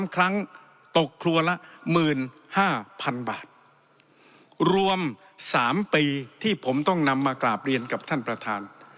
ครั้งตกครัวละ๑๕๐๐๐บาทรวม๓ปีที่ผมต้องนำมากราบเรียนกับท่านประธาน